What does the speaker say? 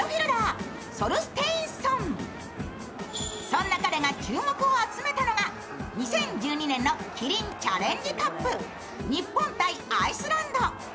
そんな彼が注目を集めたのが２０１２年のキリンチャレンジカップ、日本×アイスランド。